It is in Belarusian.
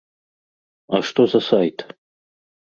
А што за сайт?